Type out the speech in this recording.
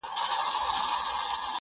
که غواړې خلک دې جدي ونیسي